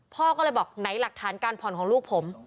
พ่อก็เลยบอกไหนหลักฐานการผ่อนของลูกผม